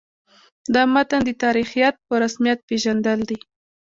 د متن د تاریخیت په رسمیت پېژندل دي.